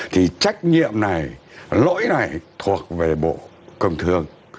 thì trách nhiệm này lỗi này thuộc về bộ công thương